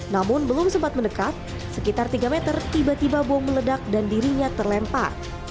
namun belum sempat mendekat sekitar tiga meter tiba tiba bom meledak dan dirinya terlempar